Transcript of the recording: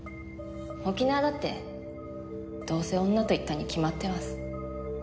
沖縄だってどうせ女と行ったに決まってます。